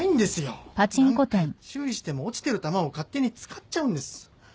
何回注意しても落ちてる玉を勝手に使っちゃうんです。